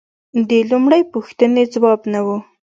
د لومړۍ پوښتنې ځواب نه و